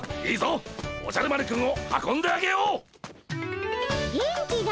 おじゃる丸くんを運んであげよう！